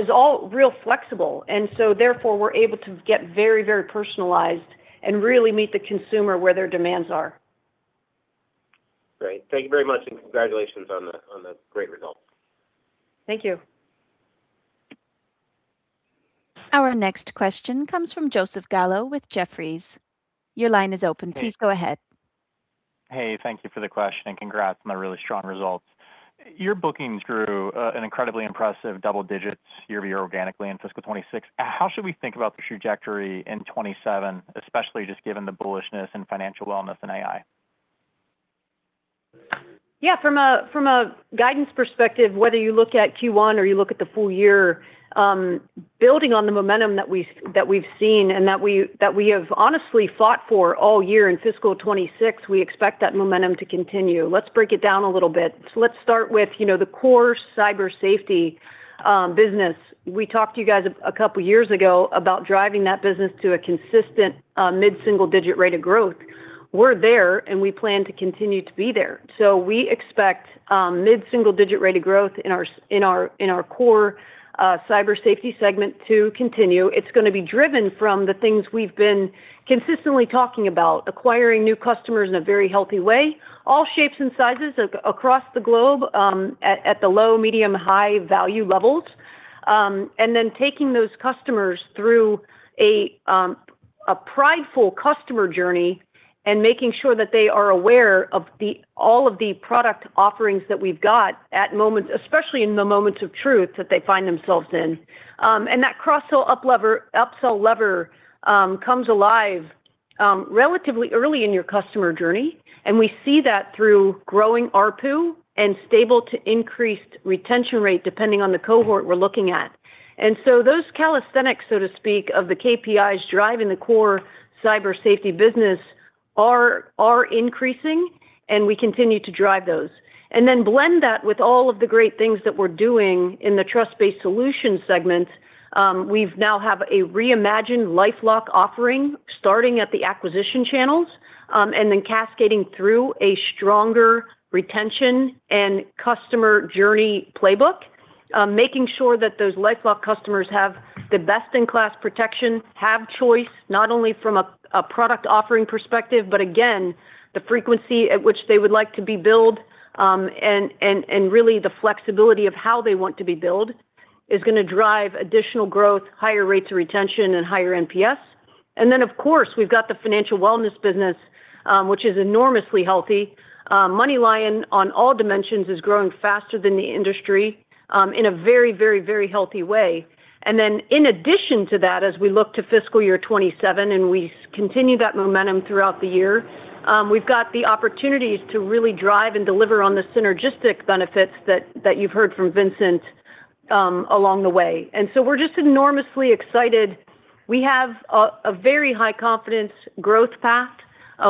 is all real flexible. Therefore, we're able to get very, very personalized and really meet the consumer where their demands are. Great. Thank you very much, and congratulations on the great results. Thank you. Our next question comes from Joseph Gallo with Jefferies. Your line is open. Hey. Please go ahead. Hey, thank you for the question, and congrats on the really strong results. Your bookings grew an incredibly impressive double digits year-over-year organically in fiscal 2026. How should we think about the trajectory in fiscal 2027, especially just given the bullishness in financial wellness and AI? Yeah. From a guidance perspective, whether you look at Q1 or you look at the full year, building on the momentum that we've seen and that we have honestly fought for all year in fiscal 2026, we expect that momentum to continue. Let's break it down a little bit. Let's start with, you know, the core cyber safety business. We talked to you guys a couple years ago about driving that business to a consistent mid-single digit rate of growth. We're there, and we plan to continue to be there. We expect mid-single digit rate of growth in our core cyber safety segment to continue. It's gonna be driven from the things we've been consistently talking about. Acquiring new customers in a very healthy way, all shapes and sizes across the globe, at the low, medium, high value levels. Then taking those customers through a prideful customer journey and making sure that they are aware of all of the product offerings that we've got at moments, especially in the moments of truth that they find themselves in. That cross-sell, upsell lever comes alive relatively early in your customer journey, and we see that through growing ARPU and stable to increased retention rate, depending on the cohort we're looking at. So those calisthenics, so to speak, of the KPIs driving the core cyber safety business are increasing, and we continue to drive those. Then blend that with all of the great things that we're doing in the trust-based solutions segment. We've now have a reimagined LifeLock offering starting at the acquisition channels, and then cascading through a stronger retention and customer journey playbook. Making sure that those LifeLock customers have the best-in-class protection, have choice, not only from a product offering perspective, but again, the frequency at which they would like to be billed, and really the flexibility of how they want to be billed is gonna drive additional growth, higher rates of retention, and higher NPS. Of course, we've got the financial wellness business, which is enormously healthy. MoneyLion, on all dimensions, is growing faster than the industry, in a very healthy way. In addition to that, as we look to fiscal year 2027 and we continue that momentum throughout the year, we've got the opportunities to really drive and deliver on the synergistic benefits that you've heard from Vincent along the way. We're just enormously excited. We have a very high confidence growth path.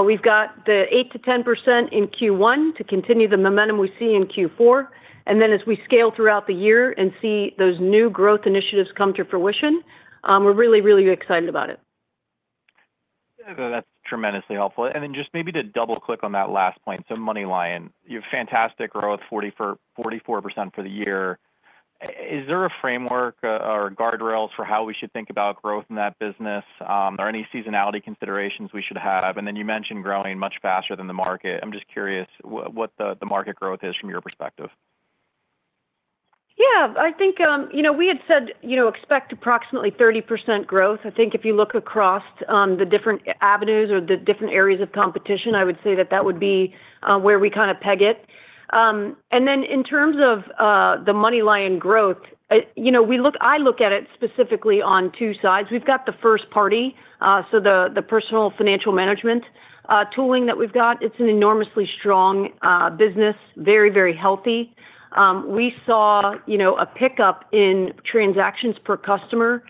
We've got the 8%-10% in Q1 to continue the momentum we see in Q4. As we scale throughout the year and see those new growth initiatives come to fruition, we're really excited about it. Yeah, no, that's tremendously helpful. Just maybe to double-click on that last point, MoneyLion, you have fantastic growth, 44% for the year. Is there a framework or guardrails for how we should think about growth in that business? Are there any seasonality considerations we should have? Then you mentioned growing much faster than the market. I'm just curious what the market growth is from your perspective. Yeah. I think we had said, expect approximately 30% growth. I think if you look across the different avenues or the different areas of competition, I would say that that would be where we kinda peg it. In terms of the MoneyLion growth, I look at it specifically on two sides. We've got the first party, so the personal financial management tooling that we've got. It's an enormously strong business. Very healthy. We saw a pickup in transactions per customer.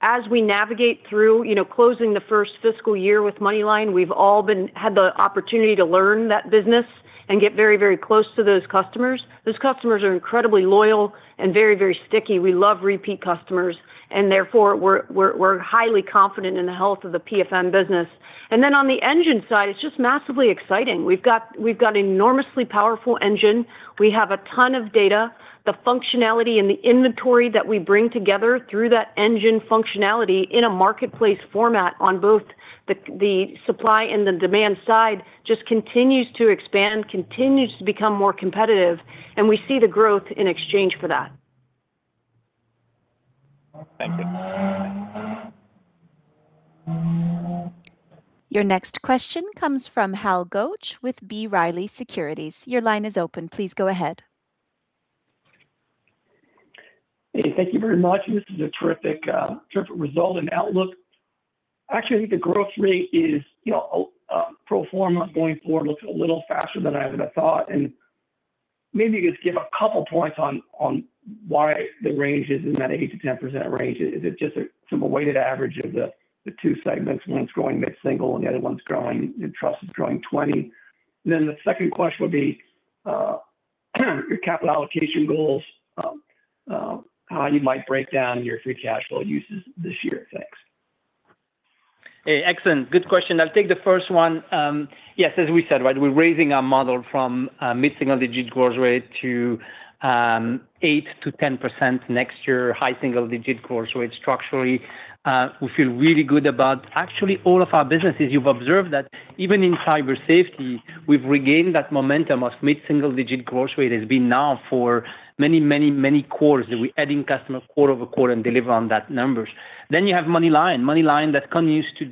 As we navigate through closing the 1st fiscal year with MoneyLion, we've all had the opportunity to learn that business and get very close to those customers. Those customers are incredibly loyal and very sticky. We love repeat customers, therefore we're highly confident in the health of the PFM business. Then on the Engine side, it's just massively exciting. We've got enormously powerful Engine. We have a ton of data. The functionality and the inventory that we bring together through that Engine functionality in a marketplace format on both the supply and the demand side just continues to expand, continues to become more competitive, we see the growth in exchange for that. Thank you. Your next question comes from Hal Goetsch with B. Riley Securities. Your line is open. Please go ahead. Hey, thank you very much. This is a terrific result and outlook. Actually, the growth rate is, you know, pro forma going forward looks a little faster than I would have thought. Maybe you could give a couple points on why the range is in that 8%-10% range. Is it just a simple weighted average of the two segments, one's growing mid-single and the other one's growing, the trust is growing 20%? The second question would be your capital allocation goals, how you might break down your free cash flow uses this year. Thanks. Hey, excellent. Good question. I'll take the first one. Yes, as we said, right, we're raising our model from mid-single digit growth rate to 8%-10% next year, high single digit growth rate structurally. We feel really good about actually all of our businesses. You've observed that even in cyber safety, we've regained that momentum of mid-single digit growth rate. It's been now for many, many, many quarters that we adding customer quarter-over-quarter and deliver on that numbers. You have MoneyLion. MoneyLion that continues to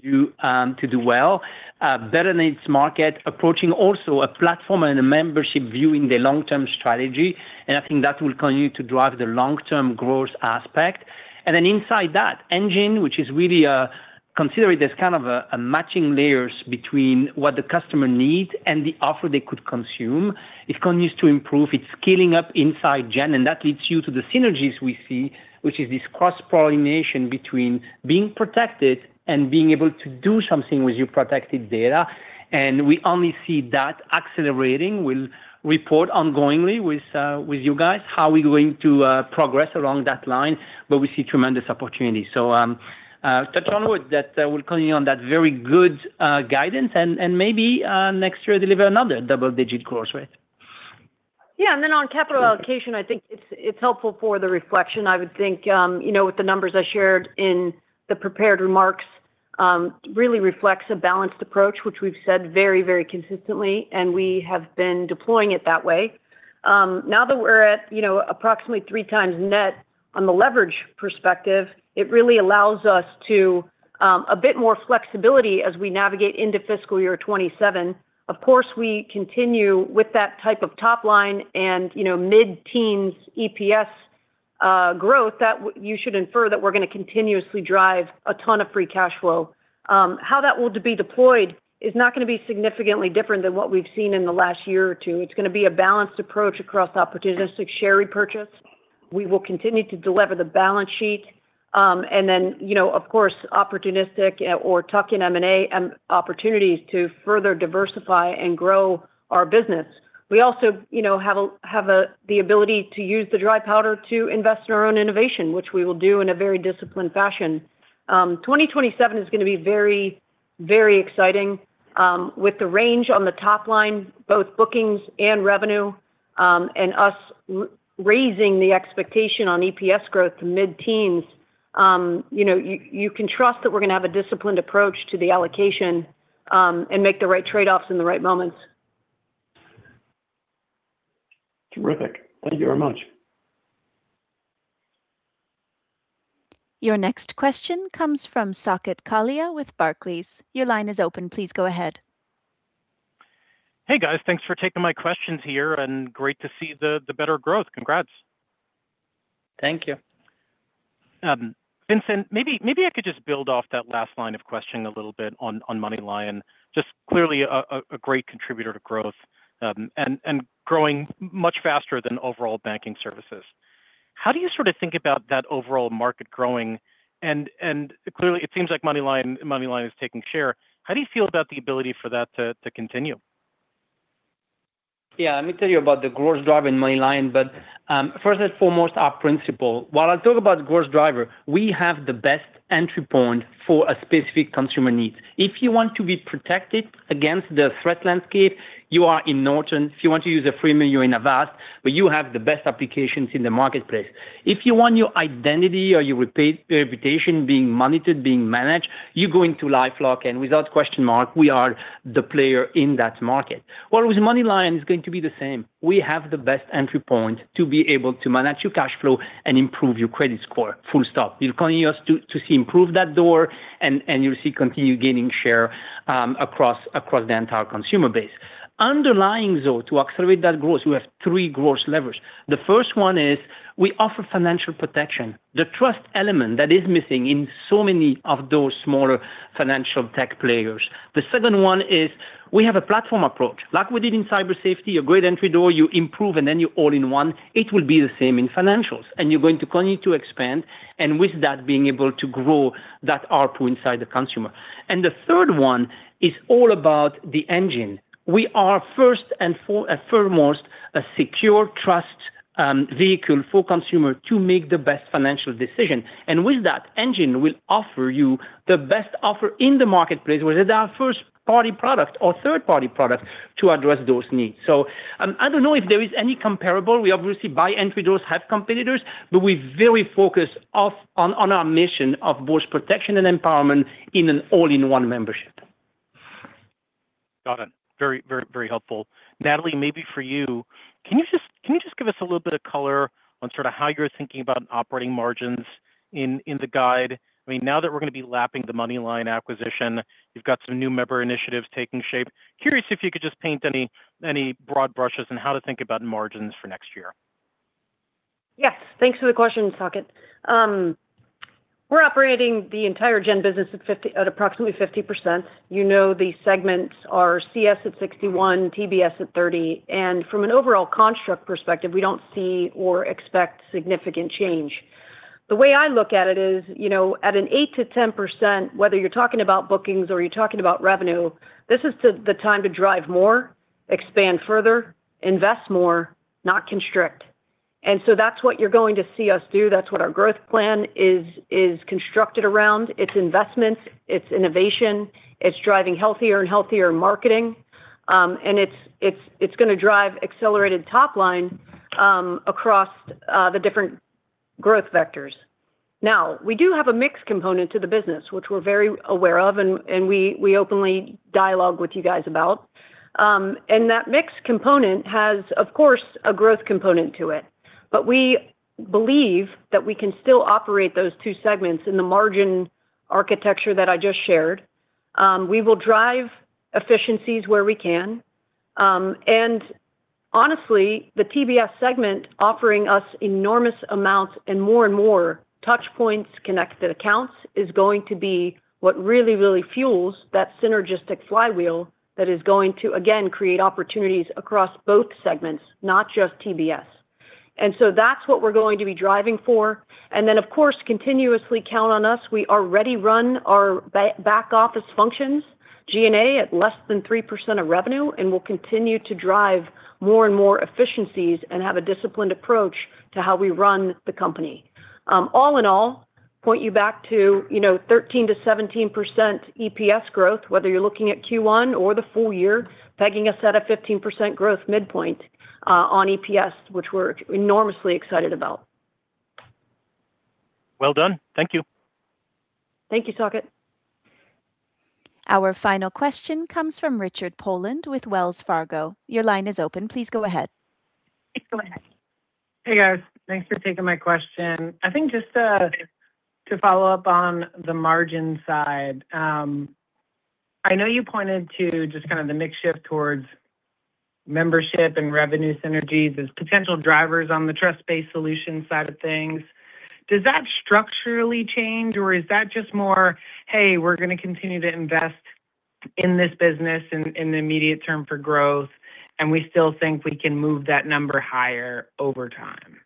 do well, better than its market, approaching also a platform and a membership view in the long-term strategy. I think that will continue to drive the long-term growth aspect. Inside that Engine, which is really consider it as kind of a matching layers between what the customer needs and the offer they could consume. It continues to improve. It's scaling up inside Gen, and that leads you to the synergies we see, which is this cross-pollination between being protected and being able to do something with your protected data. We only see that accelerating. We'll report ongoingly with you guys how we're going to progress along that line, but we see tremendous opportunity. To turn on with that, we'll continue on that very good guidance and maybe next year deliver another double-digit growth rate. Yeah. Then on capital allocation, I think it's helpful for the reflection. I would think, you know, with the numbers I shared in the prepared remarks, really reflects a balanced approach, which we've said very consistently, and we have been deploying it that way. Now that we're at, you know, approximately 3x net on the leverage perspective, it really allows us a bit more flexibility as we navigate into fiscal year 2027. Of course, we continue with that type of top line and, you know, mid-teens EPS growth, that you should infer that we're gonna continuously drive a ton of free cash flow. How that will be deployed is not gonna be significantly different than what we've seen in the last year or two. It's gonna be a balanced approach across opportunistic share repurchase. We will continue to delever the balance sheet. You know, of course, opportunistic or tuck-in M&A opportunities to further diversify and grow our business. We also, you know, have the ability to use the dry powder to invest in our own innovation, which we will do in a very disciplined fashion. 2027 is gonna be very exciting. With the range on the top line, both bookings and revenue, and us raising the expectation on EPS growth to mid-teens, you know, you can trust that we're gonna have a disciplined approach to the allocation and make the right trade-offs in the right moments. Terrific. Thank you very much. Your next question comes from Saket Kalia with Barclays. Your line is open. Please go ahead. Hey, guys. Thanks for taking my questions here. Great to see the better growth. Congrats. Thank you. Vincent, maybe I could just build off that last line of questioning a little bit on MoneyLion. Clearly a great contributor to growth and growing much faster than overall banking services, how do you sort of think about that overall market growing? Clearly it seems like MoneyLion is taking share. How do you feel about the ability for that to continue? Yeah. Let me tell you about the growth drive in MoneyLion. First and foremost, our principle. While I talk about growth driver, we have the best entry point for specific consumer needs. If you want to be protected against the threat landscape, you are in Norton. If you want to use a freemium in Avast, but you have the best applications in the marketplace. If you want your identity or your reputation being monitored, being managed, you go into LifeLock, and without question mark, we are the player in that market. With MoneyLion, it's going to be the same. We have the best entry point to be able to manage your cash flow and improve your credit score, full stop. You're continuing us to see improve that door, and you'll see continue gaining share across the entire consumer base. Underlying though, to accelerate that growth, we have three growth levers. The first one is we offer financial protection, the trust element that is missing in so many of those smaller Financial Tech players. The second one is we have a platform approach. Like we did in cyber safety, a great entry door, you improve, and then you all-in-one, it will be the same in financials. You're going to continue to expand, and with that being able to grow that ARPU inside the consumer. The third one is all about the engine. We are first and foremost a secure trust vehicle for consumer to make the best financial decision. With that engine, we'll offer you the best offer in the marketplace, whether it's our first-party product or third-party product to address those needs. I don't know if there is any comparable. We obviously by entry doors have competitors, but we very focused on our mission of both protection and empowerment in an all-in-one membership. Got it. Very helpful. Natalie, maybe for you, can you just give us a little bit of color on sort of how you're thinking about operating margins in the guide? I mean, now that we're gonna be lapping the MoneyLion acquisition, you've got some new member initiatives taking shape. Curious if you could just paint any broad brushes on how to think about margins for next year. Yes. Thanks for the question, Saket. We're operating the entire Gen business at approximately 50%. You know the segments are CS at 61%, TBS at 30%, and from an overall construct perspective, we don't see or expect significant change. The way I look at it is, you know, at an 8%-10%, whether you're talking about bookings or you're talking about revenue, this is the time to drive more, expand further, invest more, not constrict. That's what you're going to see us do. That's what our growth plan is constructed around. It's investments, it's innovation, it's driving healthier and healthier marketing, and it's going to drive accelerated top line across the different growth vectors. Now, we do have a mixed component to the business, which we're very aware of and we openly dialogue with you guys about. That mixed component has, of course, a growth component to it. But we believe that we can still operate those two segments in the margin architecture that I just shared. We will drive efficiencies where we can. Honestly, the TBS segment offering us enormous amounts and more and more touch points, connected accounts is going to be what really, really fuels that synergistic flywheel that is going to, again, create opportunities across both segments, not just TBS. That's what we're going to be driving for. Of course, continuously count on us. We already run our back office functions, G&A, at less than 3% of revenue, and will continue to drive more and more efficiencies and have a disciplined approach to how we run the company. All in all, point you back to, you know, 13%-17% EPS growth, whether you're looking at Q1 or the full year, pegging us at a 15% growth midpoint on EPS, which we're enormously excited about. Well done. Thank you. Thank you, Saket. Our final question comes from Richard Poland with Wells Fargo. Your line is open. Please go ahead. Thanks so much. Hey guys. Thanks for taking my question. I think just to follow up on the margin side, I know you pointed to just kind of the mix shift towards membership and revenue synergies as potential drivers on the trust-based solutions side of things. Does that structurally change, or is that just more, "Hey, we're gonna continue to invest in this business in the immediate term for growth, and we still think we can move that number higher over time".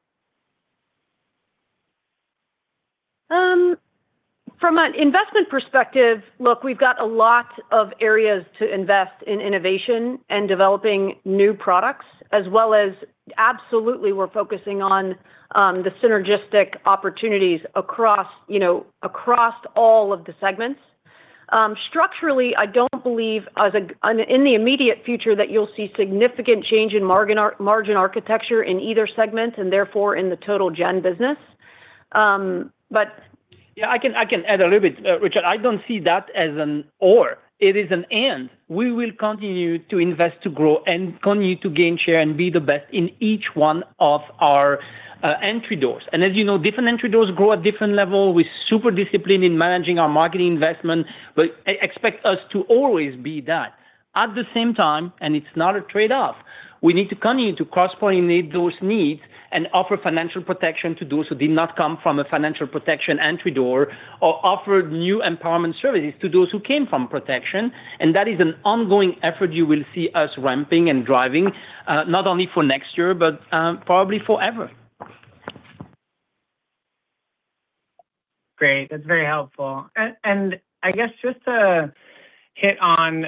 From an investment perspective, look, we've got a lot of areas to invest in innovation and developing new products as well as absolutely we're focusing on the synergistic opportunities across, you know, across all of the segments. Structurally, I don't believe as a in the immediate future that you'll see significant change in margin architecture in either segment, and therefore in the total Gen business. Yeah, I can add a little bit, Richard. I don't see that as an or, it is an and. We will continue to invest to grow and continue to gain share and be the best in each one of our entry doors. As you know, different entry doors grow at different level. We're super disciplined in managing our marketing investment, but expect us to always be that. At the same time, and it's not a trade-off, we need to continue to cross-pollinate those needs and offer financial protection to those who did not come from a financial protection entry door or offer new empowerment services to those who came from protection. That is an ongoing effort you will see us ramping and driving, not only for next year but probably forever. Great. That's very helpful. I guess just to hit on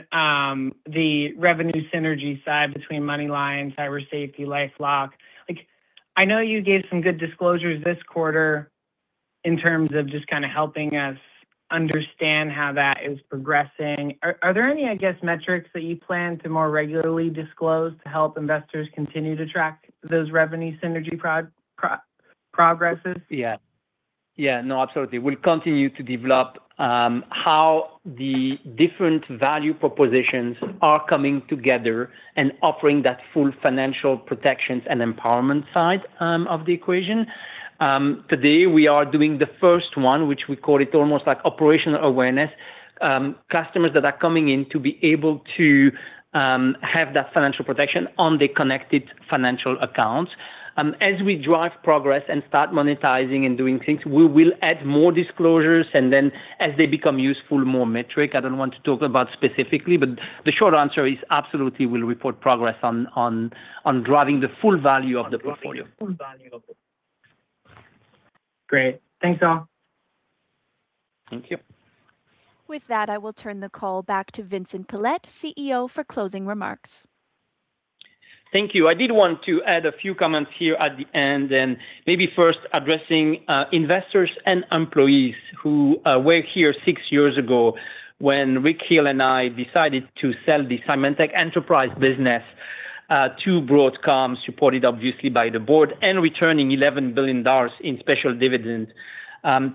the revenue synergy side between MoneyLion, Cyber Safety, LifeLock. Like I know you gave some good disclosures this quarter in terms of just kinda helping us understand how that is progressing. Are there any, I guess, metrics that you plan to more regularly disclose to help investors continue to track those revenue synergy progresses? Yeah. Yeah, no, absolutely. We'll continue to develop how the different value propositions are coming together and offering that full financial protections and empowerment side of the equation. Today we are doing the first one, which we call it almost like operational awareness, customers that are coming in to be able to have that financial protection on the connected financial accounts. As we drive progress and start monetizing and doing things, we will add more disclosures and then as they become useful, more metric. I don't want to talk about specifically, but the short answer is absolutely we'll report progress on driving the full value of the portfolio. Great. Thanks, all. Thank you. With that, I will turn the call back to Vincent Pilette, CEO, for closing remarks. Thank you. I did want to add a few comments here at the end. Maybe first addressing investors and employees who were here six years ago when Rick Hill and I decided to sell the Symantec enterprise business to Broadcom, supported obviously by the board, returning $11 billion in special dividends.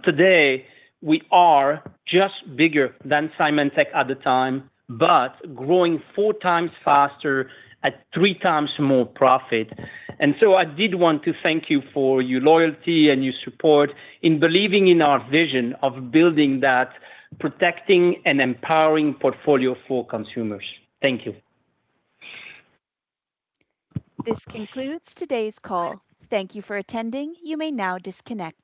Today we are just bigger than Symantec at the time, but growing 4x faster at 3x more profit. I did want to thank you for your loyalty and your support in believing in our vision of building that protecting and empowering portfolio for consumers. Thank you. This concludes today's call. Thank you for attending. You may now disconnect.